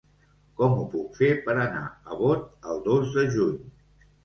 Com ho puc fer per anar a Bot el dos de juny?